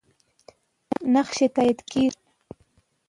نقش یې تاییدیږي.